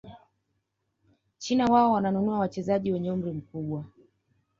china wao wananunua wachezaji wenye umri mkubwa